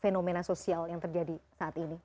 fenomena sosial yang terjadi saat ini